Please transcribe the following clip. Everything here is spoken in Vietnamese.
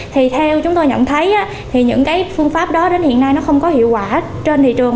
theo chúng tôi nhận thấy những phương pháp đó đến hiện nay không có hiệu quả trên thị trường